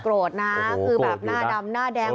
โรธนะคือแบบหน้าดำหน้าแดง